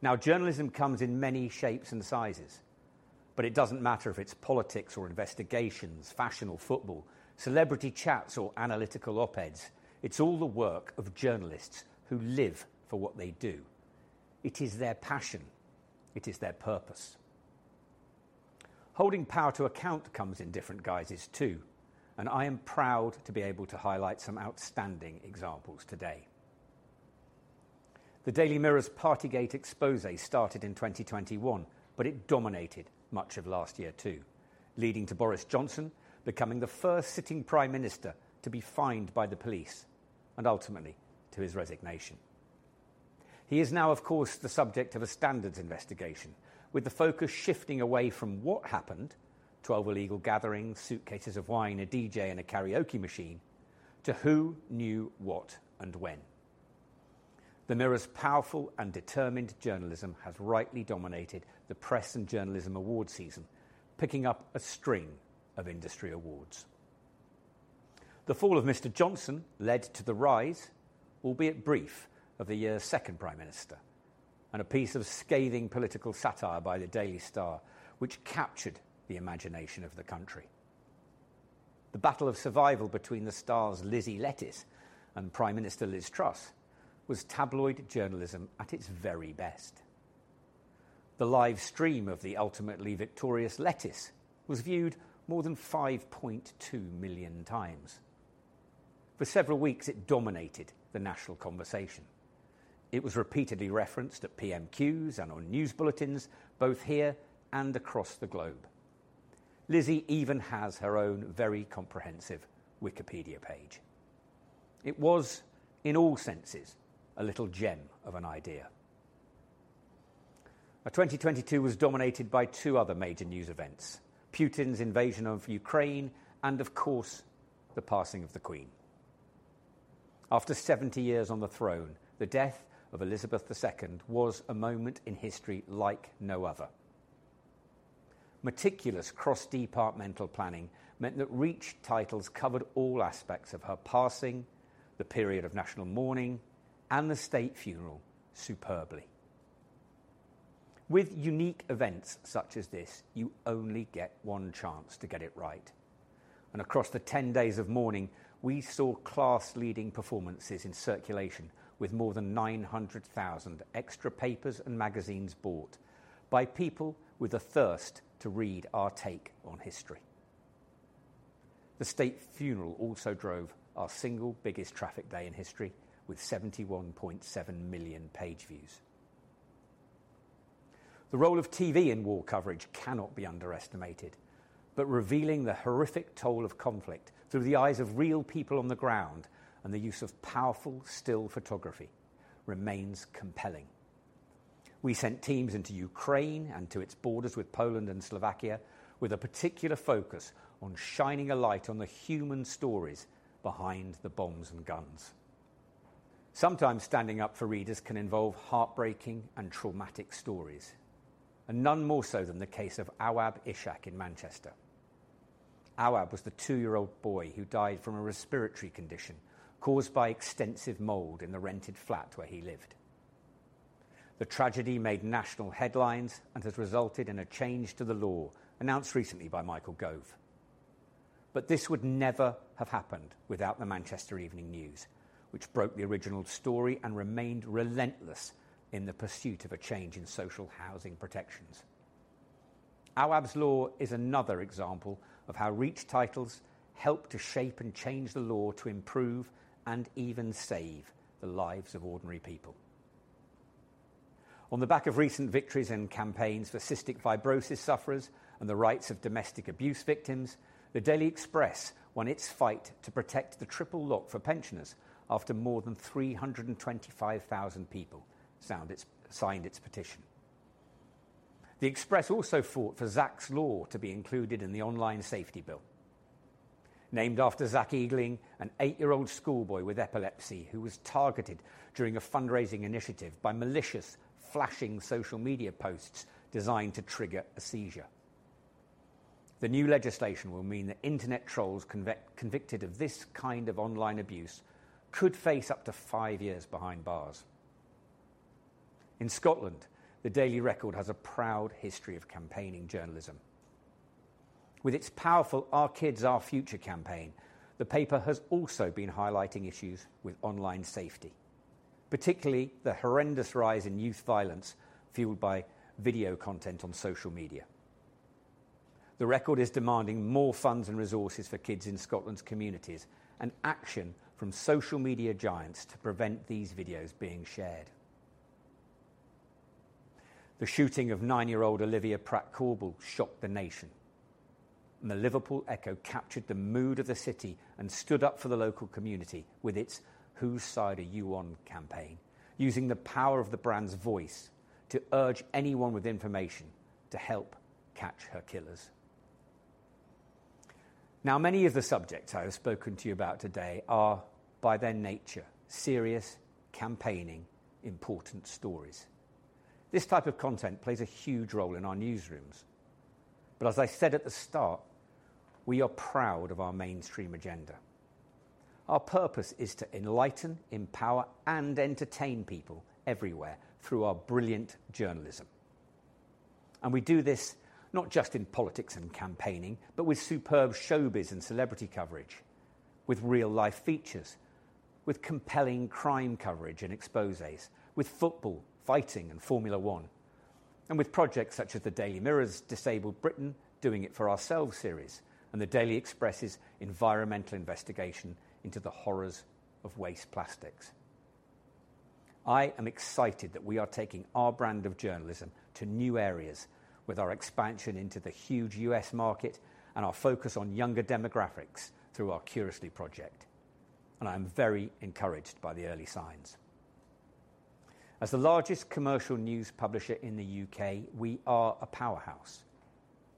Now, journalism comes in many shapes and sizes, but it doesn't matter if it's politics or investigations, fashion or football, celebrity chats or analytical op-eds. It's all the work of journalists who live for what they do. It is their passion. It is their purpose. Holding power to account comes in different guises, too, and I am proud to be able to highlight some outstanding examples today. The Daily Mirror's Partygate exposé started in 2021, but it dominated much of last year, too, leading to Boris Johnson becoming the first sitting Prime Minister to be fined by the police and ultimately to his resignation. He is now, of course, the subject of a standards investigation, with the focus shifting away from what happened, 12 illegal gatherings, suitcases of wine, a DJ, and a karaoke machine, to who knew what and when. The Mirror's powerful and determined journalism has rightly dominated the press and journalism award season, picking up a string of industry awards. The fall of Mr Johnson led to the rise, albeit brief, of the year's second Prime Minister, and a piece of scathing political satire by the Daily Star, which captured the imagination of the country. The battle of survival between the Star's Lizzie Lettuce and Prime Minister Liz Truss was tabloid journalism at its very best. The live stream of the ultimately victorious Lettuce was viewed more than 5.2x million. For several weeks, it dominated the national conversation. It was repeatedly referenced at PMQs and on news bulletins, both here and across the globe. Lizzie even has her own very comprehensive Wikipedia page. It was, in all senses, a little gem of an idea. Now, 2022 was dominated by two other major news events, Putin's invasion of Ukraine and, of course, the passing of the Queen. After 70 years on the throne, the death of Elizabeth II was a moment in history like no other. Meticulous cross-departmental planning meant that Reach titles covered all aspects of her passing, the period of national mourning, and the state funeral superbly. With unique events such as this, you only get one chance to get it right. Across the 10 days of mourning, we saw class-leading performances in circulation with more than 900,000 extra papers and magazines bought by people with a thirst to read our take on history. The state funeral also drove our single biggest traffic day in history with 71.7 million page views. The role of TV in war coverage cannot be underestimated, but revealing the horrific toll of conflict through the eyes of real people on the ground and the use of powerful still photography remains compelling. We sent teams into Ukraine and to its borders with Poland and Slovakia with a particular focus on shining a light on the human stories behind the bombs and guns. Sometimes standing up for readers can involve heartbreaking and traumatic stories, and none more so than the case of Awaab Ishak in Manchester. Awaab was the two-year-old boy who died from a respiratory condition caused by extensive mold in the rented flat where he lived. The tragedy made national headlines and has resulted in a change to the law announced recently by Michael Gove. This would never have happened without the Manchester Evening News, which broke the original story and remained relentless in the pursuit of a change in social housing protections. Awaab's Law is another example of how Reach titles help to shape and change the law to improve and even save the lives of ordinary people. On the back of recent victories and campaigns for cystic fibrosis sufferers and the rights of domestic abuse victims, the Daily Express won its fight to protect the triple lock for pensioners after more than 325,000 people signed its petition. The Express also fought for Zach's Law to be included in the Online Safety Bill. Named after Zach Eagling, an eight-year-old schoolboy with epilepsy who was targeted during a fundraising initiative by malicious flashing social media posts designed to trigger a seizure. The new legislation will mean that internet trolls convicted of this kind of online abuse could face up to five years behind bars. In Scotland, the Daily Record has a proud history of campaigning journalism. With its Our powerful Kids, Our Future campaign, The Record has also been highlighting issues with online safety, particularly the horrendous rise in youth violence fueled by video content on social media. The Record is demanding more funds and resources for kids in Scotland's communities and action from social media giants to prevent these videos being shared. The shooting of nine-year-old Olivia Pratt-Korbel shocked the nation. The Liverpool Echo captured the mood of the city and stood up for the local community with its Whose Side Are You On? campaign, using the power of the brand's voice to urge anyone with information to help catch her killers. Now, many of the subjects I have spoken to you about today are, by their nature, serious campaigning, important stories. This type of content plays a huge role in our newsrooms, but as I said at the start, we are proud of our mainstream agenda. We do this not just in politics and campaigning, but with superb showbiz and celebrity coverage, with real-life features, with compelling crime coverage and exposés, with football, fighting, and Formula 1, and with projects such as the Daily Mirror's Disabled Britain: Doing It For Ourselves series and the Daily Express's environmental investigation into the horrors of waste plastics. I am excited that we are taking our brand of journalism to new areas with our expansion into the huge U.S. market and our focus on younger demographics through our Curiously project, and I am very encouraged by the early signs. As the largest commercial news publisher in the U.K., we are a powerhouse,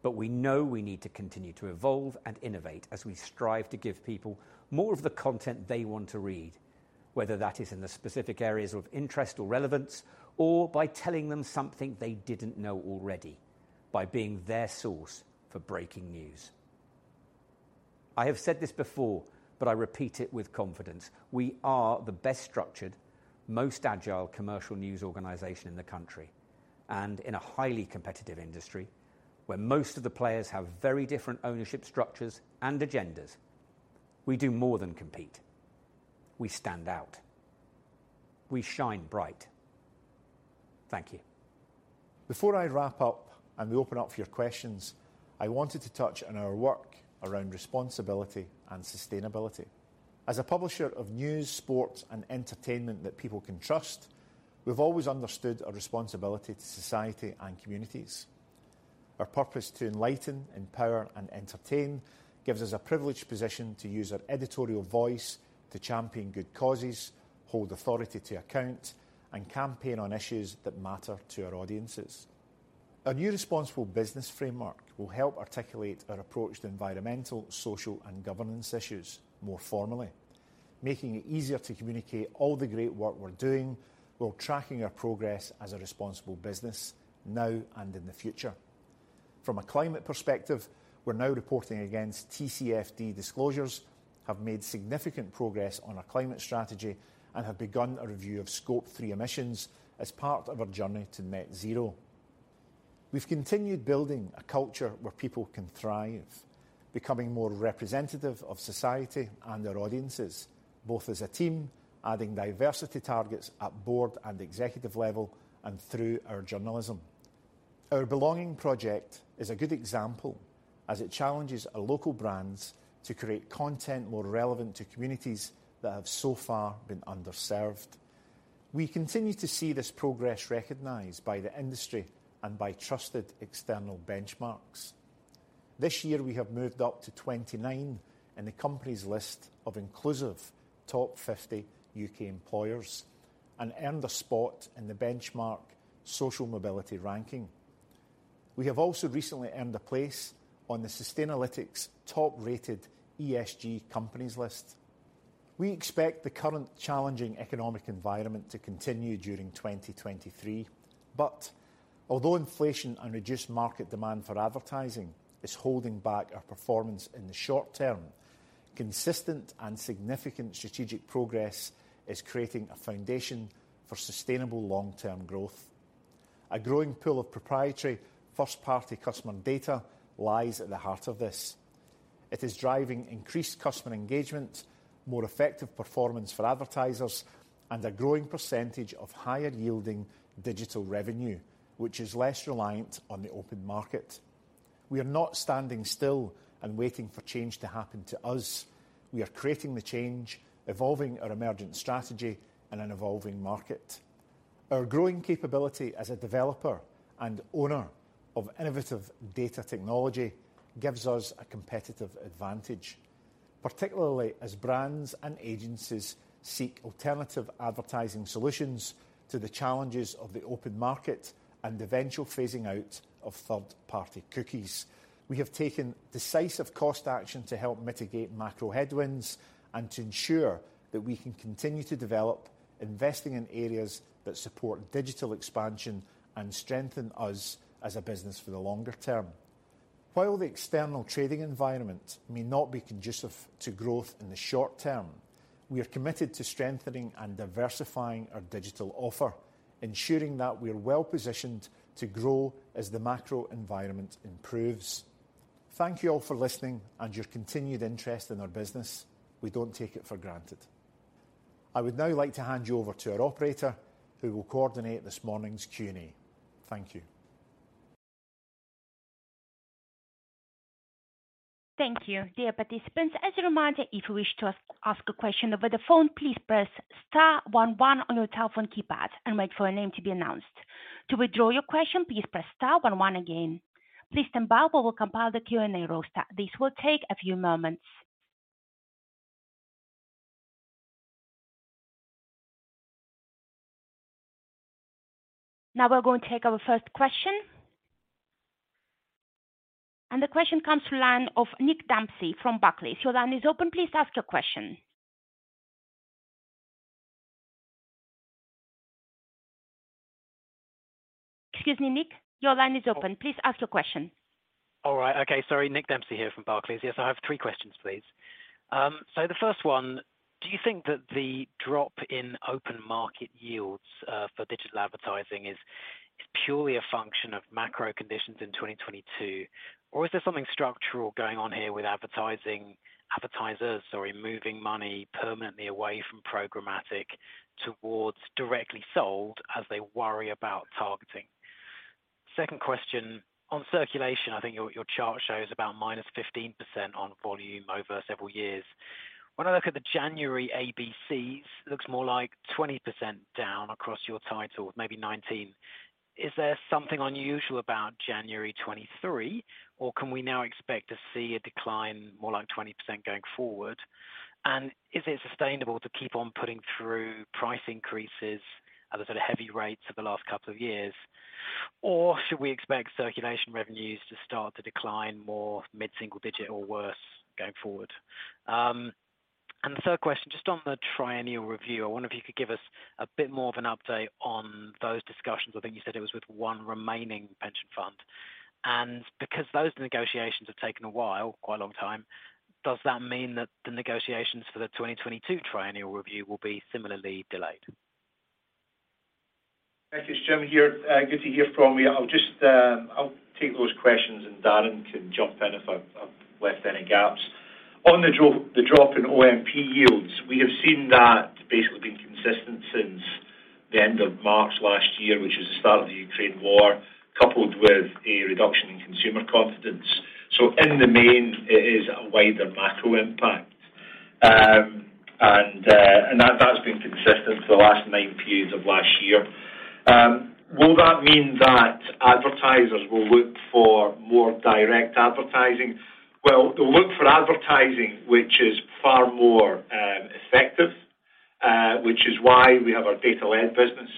but we know we need to continue to evolve and innovate as we strive to give people more of the content they want to read, whether that is in the specific areas of interest or relevance, or by telling them something they didn't know already, by being their source for breaking news. I have said this before, but I repeat it with confidence. We are the best-structured, most agile commercial news organization in the country, and in a highly competitive industry where most of the players have very different ownership structures and agendas, we do more than compete. We stand out. We shine bright. Thank you. Before I wrap up and we open up for your questions, I wanted to touch on our work around responsibility and sustainability. As a publisher of news, sports, and entertainment that people can trust, we have always understood our responsibility to society and communities. Our purpose to enlighten, empower, and entertain gives us a privileged position to use our editorial voice to champion good causes, hold authority to account, and campaign on issues that matter to our audiences. Our new responsible business framework will help articulate our approach to environmental, social, and governance issues more formally, making it easier to communicate all the great work we are doing while tracking our progress as a responsible business now and in the future. From a climate perspective, we're now reporting against TCFD disclosures, have made significant progress on our climate strategy, and have begun a review of Scope 3 emissions as part of our journey to net zero. We've continued building a culture where people can thrive, becoming more representative of society and their audiences, both as a team, adding diversity targets at Board and Executive level, and through our journalism. Our Belonging Project is a good example as it challenges our local brands to create content more relevant to communities that have so far been underserved. We continue to see this progress recognized by the industry and by trusted external benchmarks. This year we have moved up to 29 in the company's list of inclusive top 50 U.K. employers and earned a spot in the benchmark social mobility ranking. We have also recently earned a place on the Sustainalytics top-rated ESG companies list. We expect the current challenging economic environment to continue during 2023. Although inflation and reduced market demand for advertising is holding back our performance in the short term, consistent and significant strategic progress is creating a foundation for sustainable long-term growth. A growing pool of proprietary first-party customer data lies at the heart of this. It is driving increased customer engagement, more effective performance for advertisers, and a growing percentage of higher-yielding digital revenue, which is less reliant on the open market. We are not standing still and waiting for change to happen to us. We are creating the change, evolving our emergent strategy in an evolving market. Our growing capability as a developer and owner of innovative data technology gives us a competitive advantage, particularly as brands and agencies seek alternative advertising solutions to the challenges of the open market and eventual phasing out of third-party cookies. We have taken decisive cost action to help mitigate macro headwinds and to ensure that we can continue to develop, investing in areas that support digital expansion and strengthen us as a business for the longer term. While the external trading environment may not be conducive to growth in the short term, we are committed to strengthening and diversifying our digital offer, ensuring that we are well positioned to grow as the macro environment improves. Thank you all for listening and your continued interest in our business. We don't take it for granted. I would now like to hand you over to our operator, who will coordinate this morning's Q&A. Thank you. Thank you. Dear participants, as a reminder, if you wish to ask a question over the phone, please press star one one on your telephone keypad and wait for a name to be announced. To withdraw your question, please press star one one again. Please stand by while we compile the Q&A roster. This will take a few moments. Now we're going to take our first question. The question comes to line of Nick Dempsey from Barclays. Your line is open. Please ask your question. Excuse me, Nick. Your line is open. Please ask your question. All right. Okay. Sorry. Nick Dempsey here from Barclays. Yes, I have three questions, please. The first one, do you think that the drop in open market yields for digital advertising is purely a function of macro conditions in 2022? Or is there something structural going on here with advertisers, sorry, moving money permanently away from programmatic towards directly sold as they worry about targeting? Second question, on circulation, I think your chart shows about minus 15% on volume over several years. When I look at the January ABCs, looks more like 20% down across your titles, maybe 19%. Is there something unusual about January 2023, or can we now expect to see a decline more like 20% going forward? Is it sustainable to keep on putting through price increases at the sort of heavy rates of the last couple of years, or should we expect circulation revenues to start to decline more mid-single digit or worse going forward? The third question, just on the triennial review, I wonder if you could give us a bit more of an update on those discussions. I think you said it was with one remaining pension fund. Because those negotiations have taken a while, quite a long time, does that mean that the negotiations for the 2022 triennial review will be similarly delayed? Thank you. It's Jim here. Good to hear from you. I'll just take those questions, Darren can jump in if I've left any gaps. On the drop in OMP yields, we have seen that basically been consistent since the end of March last year, which is the start of the Ukraine war, coupled with a reduction in consumer confidence. In the main, it is a wider macro impact. That's been consistent for the last nine periods of last year. Will that mean that advertisers will look for more direct advertising? Well, they'll look for advertising which is far more effective Which is why we have our data-led business.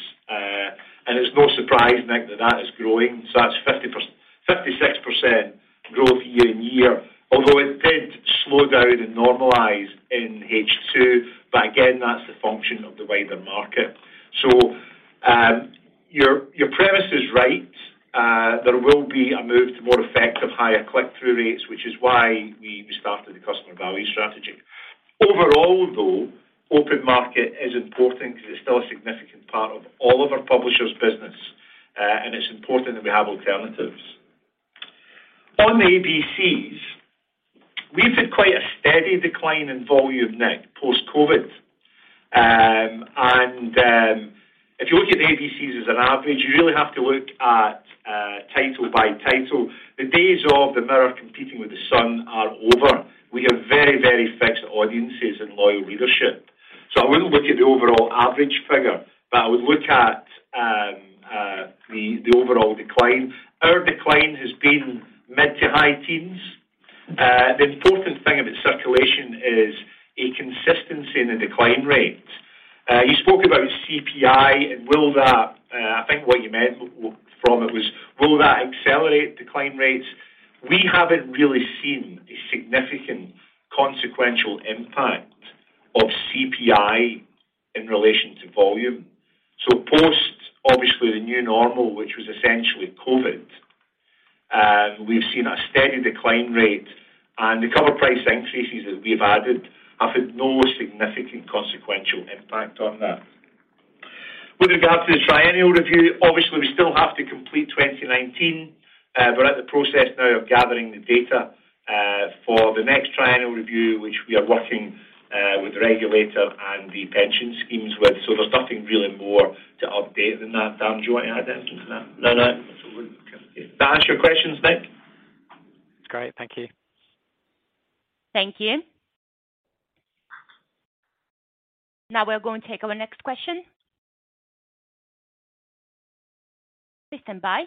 It's no surprise, Nick, that is growing. That's 56% growth year-over-year, although it did slow down and normalize in H2. Again, that's the function of the way the market. Your premise is right. There will be a move to more effective higher click-through rates, which is why we started the Customer Value Strategy. Overall, though, open market is important because it's still a significant part of all of our publishers' business, and it's important that we have alternatives. On ABCs, we've had quite a steady decline in volume, Nick, post-COVID. If you look at ABCs as an average, you really have to look at title by title. The days of The Mirror competing with The Sun are over. We have very fixed audiences and loyal leadership. I wouldn't look at the overall average figure, but I would look at the overall decline. Our decline has been mid to high teens. The important thing about circulation is a consistency in the decline rate. You spoke about CPI and I think what you meant from it was will that accelerate decline rates. We haven't really seen a significant consequential impact of CPI in relation to volume. Post, obviously, the new normal, which was essentially COVID, we've seen a steady decline rate, and the cover price increases that we've added have had no significant consequential impact on that. With regard to the triennial review, obviously, we still have to complete 2019. We're at the process now of gathering the data for the next triennial review, which we are working with the regulator and the pension schemes with. There's nothing really more to update than that. Darren, do you want to add anything to that? No, no. Does that answer your questions, Nick? Great. Thank you. Thank you. Now we're going to take our next question. Please stand by.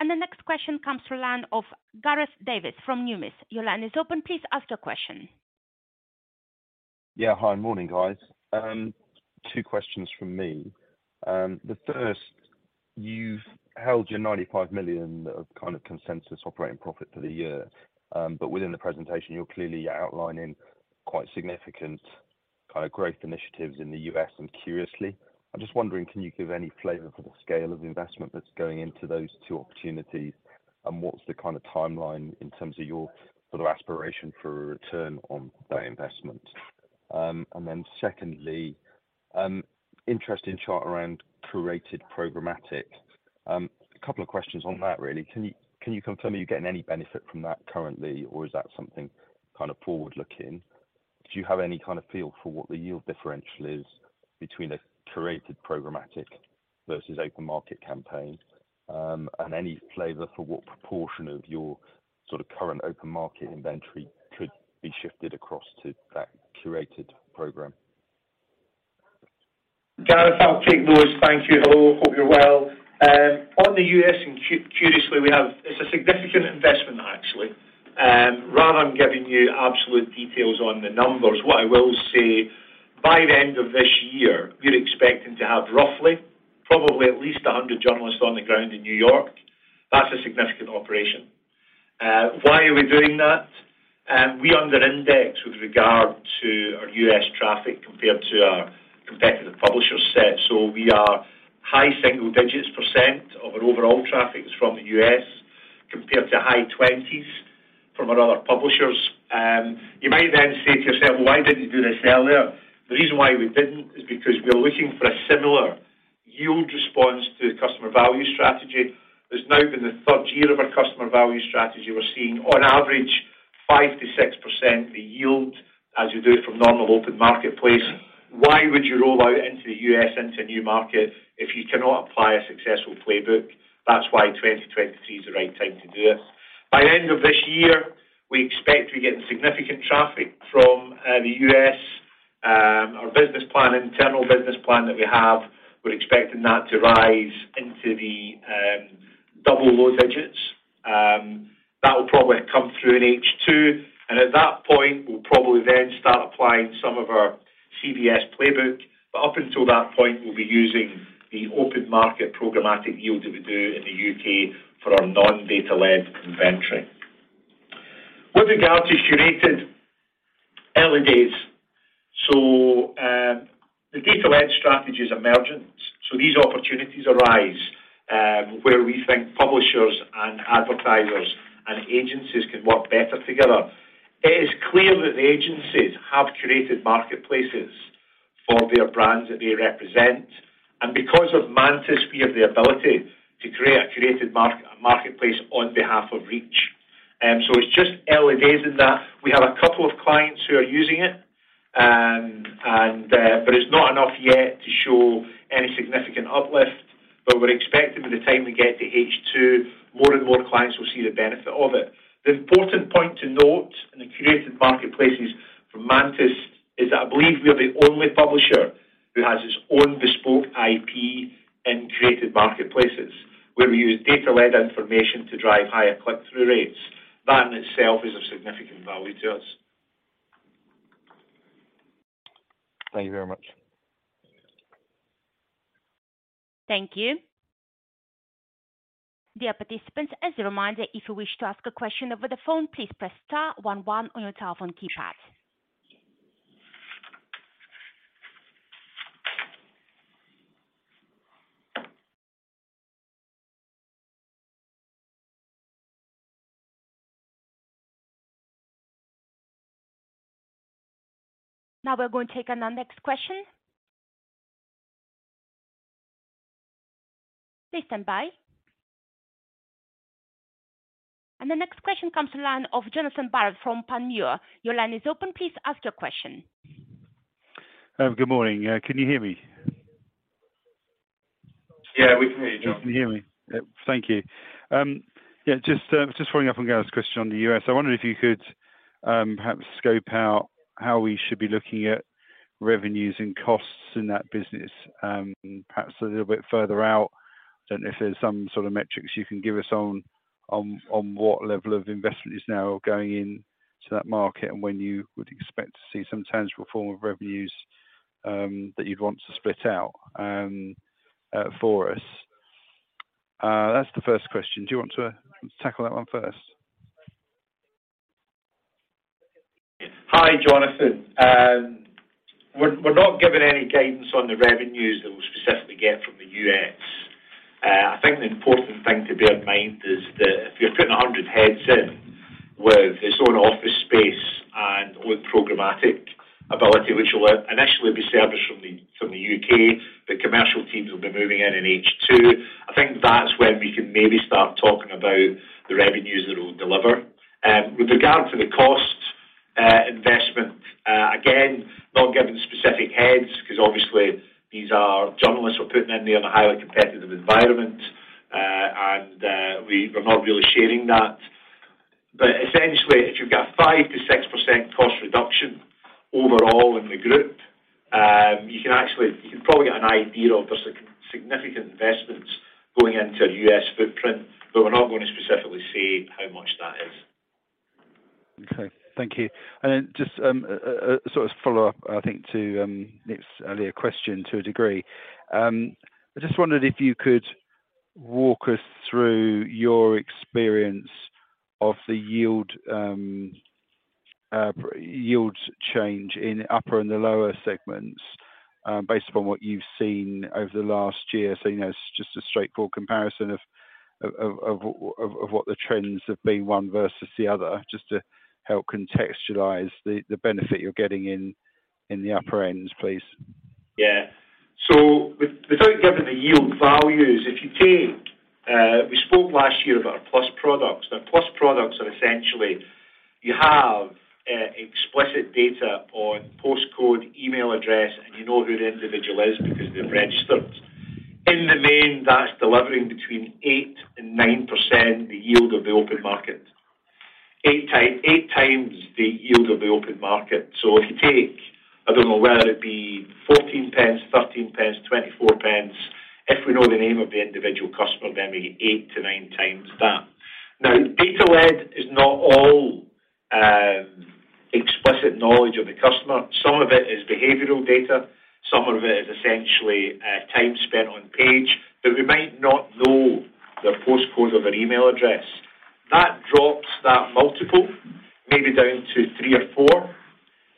The next question comes from line of Gareth Davis from Numis. Your line is open. Please ask your question. Yeah. Hi. Morning, guys. Two questions from me. The first, you've held your 95 million of kind of consensus operating profit for the year, but within the presentation, you're clearly outlining quite significant kind of growth initiatives in the U.S. and Curiously. I'm just wondering, can you give any flavor for the scale of investment that's going into those two opportunities, and what's the kind of timeline in terms of your sort of aspiration for a return on that investment? Secondly, interesting chart around curated programmatic. A couple of questions on that, really. Can you confirm are you getting any benefit from that currently, or is that something kind of forward-looking? Do you have any kind of feel for what the yield differential is between a curated programmatic versus open market campaign, and any flavor for what proportion of your sort of current open market inventory could be shifted across to that curated program? Gareth, I'll take those. Thank you. Hello. Hope you're well. On the U.S. and Curiously, we have. It's a significant investment actually. Rather than giving you absolute details on the numbers, what I will say, by the end of this year, we're expecting to have roughly probably at least 100 journalists on the ground in New York. That's a significant operation. Why are we doing that? We under index with regard to our U.S. traffic compared to our competitive publisher set. We are high single digits percent of our overall traffic is from the U.S. compared to high 20s from our other publishers. You might then say to yourself, "Well, why didn't you do this earlier?" The reason why we didn't is because we're looking for a similar yield response to the Customer Value Strategy. There's now been the third year of our Customer Value Strategy. We're seeing on average 5%-6% the yield as you do from normal open marketplace. Why would you roll out into the U.S., into a new market if you cannot apply a successful playbook? That's why 2023 is the right time to do it. By the end of this year, we expect to be getting significant traffic from the U.S. Our business plan, internal business plan that we have, we're expecting that to rise into the double low digits. That will probably come through in H2, and at that point, we'll probably then start applying some of our CVS playbook. Up until that point, we'll be using the open market programmatic yield that we do in the U.K. for our non-data led inventory. With regard to curated, early days. The data led strategy is emergence. These opportunities arise where we think publishers and advertisers and agencies can work better together. It is clear that the agencies have curated marketplaces for their brands that they represent. Because of Mantis, we have the ability to create a curated marketplace on behalf of Reach. It's just early days in that we have a couple of clients who are using it. It's not enough yet to show any significant uplift. We're expecting by the time we get to H2, more and more clients will see the benefit of it. The important point to note in the curated marketplaces for Mantis is that I believe we are the only publisher who has his own bespoke IP in curated marketplaces, where we use data-led information to drive higher click-through rates. That in itself is a significant value to us. Thank you very much. Thank you. Dear participants, as a reminder, if you wish to ask a question over the phone, please press star one one on your telephone keypad. Now we're going to take our next question. Please stand by. The next question comes to line of Johnathan Barrett from Panmure. Your line is open. Please ask your question. Good morning. Can you hear me? Yeah, we can hear you, John. You can hear me. Thank you. Just following up on Gareth's question on the U.S. I wonder if you could perhaps scope out how we should be looking at revenues and costs in that business, perhaps a little bit further out. Don't know if there's some sort of metrics you can give us on what level of investment is now going in to that market and when you would expect to see some tangible form of revenues that you'd want to split out for us. That's the first question. Do you want to tackle that one first? Hi, Johnathan. We're not giving any guidance on the revenues that we'll specifically get from the U.S. I think the important thing to bear in mind is that if you're putting 100 heads in with its own office space and with programmatic ability, which will initially be serviced from the U.K., the commercial teams will be moving in in H2. I think that's when we can maybe start talking about the revenues that it will deliver. With regard to the cost investment, again, not giving specific heads because obviously these are journalists we're putting in there in a highly competitive environment. We're not really sharing that. Essentially, if you've got 5%-6% cost reduction overall in the group, you can probably get an idea of there's significant investments going into U.S. footprint, but we're not gonna specifically say how much that is. Okay. Thank you. Just sort of follow-up, I think, to Nick's earlier question to a degree. I just wondered if you could walk us through your experience of the yield yield change in upper and the lower segments, based upon what you've seen over the last year. You know, it's just a straightforward comparison of what the trends have been one versus the other, just to help contextualize the benefit you're getting in the upper ends, please. Yeah. Without giving the yield values, if you take, we spoke last year about our PLUS products. PLUS products are essentially you have explicit data on postcode, email address, and you know who the individual is because they're registered. In the main, that's delivering between 8% and 9% the yield of the open market. 8x the yield of the open market. If you take, I don't know, whether it be 0.14, 0.13, 0.24, if we know the name of the individual customer, then we get 8x-9x that. Data lead is not all explicit knowledge of the customer. Some of it is behavioral data, some of it is essentially time spent on page, we might not know their postcode or their email address. That drops that multiple maybe down to 3x or 4x,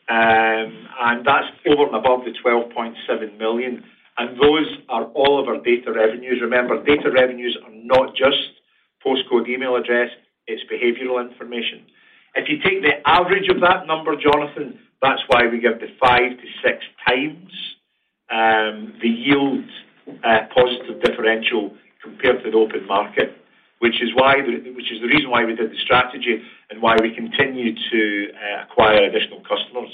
and that's over and above the 12.7 million, and those are all of our data revenues. Remember, data revenues are not just postcode, email address, it's behavioral information. If you take the average of that number, Johnathan, that's why we give the 5x-6x the yield positive differential compared to the open market. Which is the reason why we did the strategy and why we continue to acquire additional customers.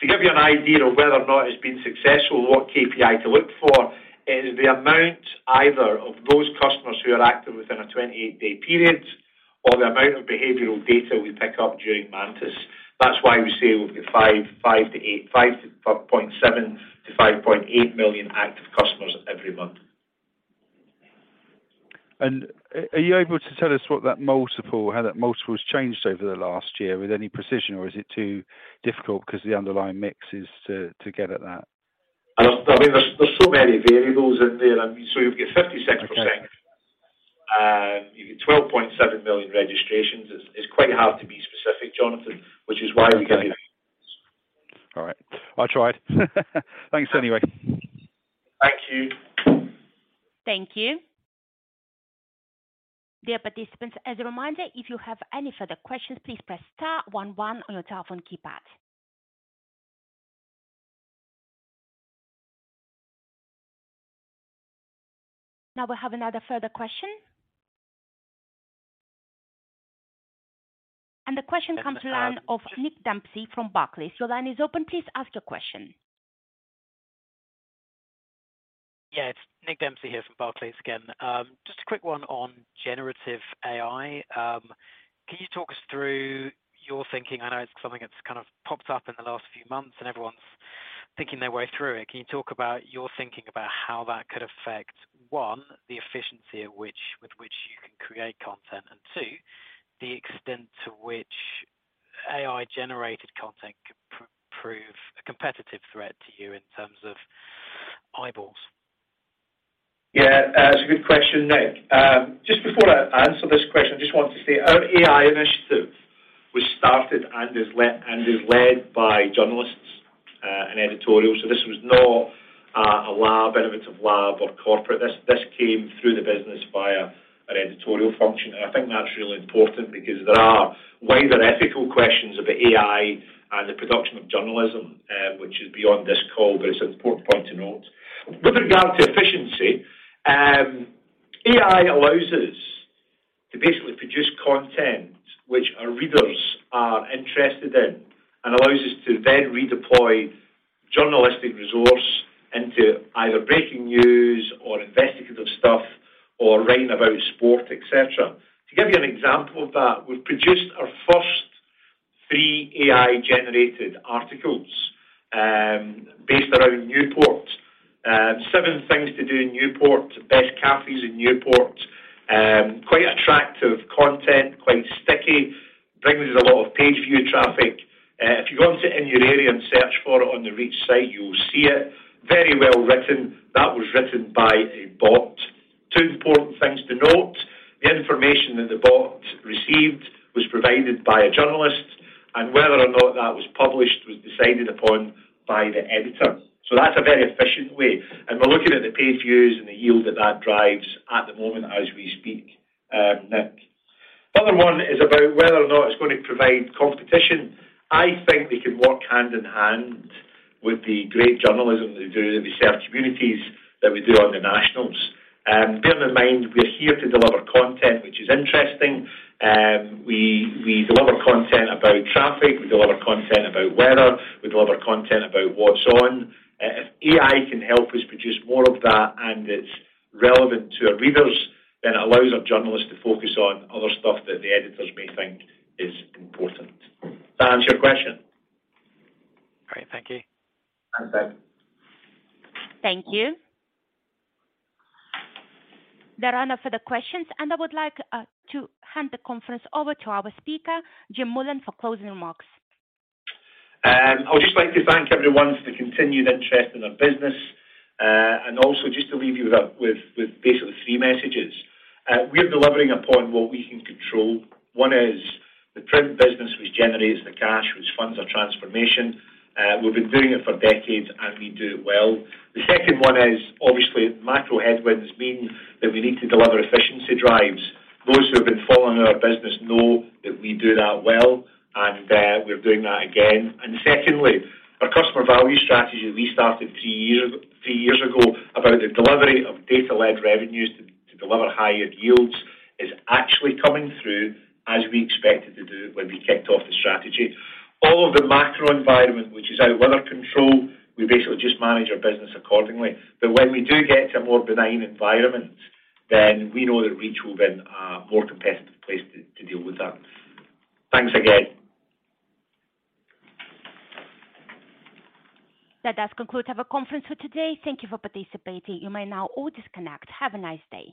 To give you an idea of whether or not it's been successful, what KPI to look for is the amount either of those customers who are active within a 28-day period or the amount of behavioral data we pick up during Mantis. That's why we say we've got 5.7 million-5.8 million active customers every month. Are you able to tell us what that multiple, how that multiple has changed over the last year with any precision? Or is it too difficult because the underlying mix is to get at that? I mean, there's so many variables in there. I mean, you'll get 56%. Okay. You get 12.7 million registrations. It's quite hard to be specific, Johnathan, which is why we give you. Okay. All right. I tried. Thanks anyway. Thank you. Thank you. Dear participants, as a reminder, if you have any further questions, please press star one oneon your telephone keypad. Now we have another further question. The question comes in line of Nick Dempsey from Barclays. Your line is open. Please ask your question. Yeah. It's Nick Dempsey here from Barclays again. Just a quick one on generative AI. Can you talk us through I know it's something that's kind of popped up in the last few months, and everyone's thinking their way through it. Can you talk about your thinking about how that could affect, one, the efficiency with which you can create content, and two, the extent to which AI-generated content could prove a competitive threat to you in terms of eyeballs? That's a good question, Nick. Just before I answer this question, I just want to say our AI initiative was started and is led by journalists and editorial. This was not a lab, innovative lab or corporate. This came through the business via an editorial function. I think that's really important because there are wider ethical questions about AI and the production of journalism, which is beyond this call, but it's an important point to note. Regarding efficiency, AI allows us to basically produce content which our readers are interested in and allows us to then redeploy journalistic resource into either breaking news or investigative stuff or writing about sport, etc. Give you an example of that, we've produced our first three AI-generated articles based around Newport. Seven things to do in Newport, best cafes in Newport. Quite attractive content, quite sticky, brings a lot of page view traffic. If you go onto InYourArea and search for it on the Reach site, you will see it. Very well written. That was written by a bot. Two important things to note, the information that the bot received was provided by a journalist, and whether or not that was published was decided upon by the editor. That's a very efficient way, and we're looking at the page views and the yield that that drives at the moment as we speak, Nick. Other one is about whether or not it's gonna provide competition. I think we can work hand in hand with the great journalism that we do in the self-communities that we do on the nationals. Bearing in mind, we're here to deliver content which is interesting. We deliver content about traffic. We deliver content about weather. We deliver content about what's on. If AI can help us produce more of that, and it's relevant to our readers, then it allows our journalists to focus on other stuff that the editors may think is important. Does that answer your question? Great. Thank you. Thanks, Nick. Thank you. There are no further questions. I would like to hand the conference over to our speaker, Jim Mullen, for closing remarks. I would just like to thank everyone for the continued interest in our business, and also just to leave you with basically three messages. We're delivering upon what we can control. One is the print business which generates the cash which funds our transformation. We've been doing it for decades, and we do it well. The second is obviously macro headwinds mean that we need to deliver efficiency drives. Those who have been following our business know that we do that well, and we're doing that again. Secondly, our Customer Value Strategy we started three years ago about the delivery of data-led revenues to deliver higher yields is actually coming through as we expected to do when we kicked off the strategy. All of the macro environment which is out of our control, we basically just manage our business accordingly. When we do get to a more benign environment, then we know that Reach will be in a more competitive place to deal with that. Thanks again. That does conclude our conference for today. Thank you for participating. You may now all disconnect. Have a nice day.